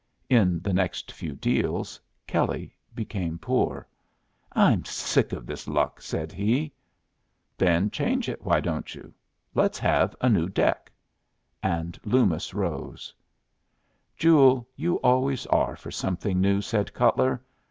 In the next few deals Kelley became poor. "I'm sick of this luck," said he. "Then change it, why don't you? Let's have a new deck." And Loomis rose. "Joole, you always are for something new," said Cutler.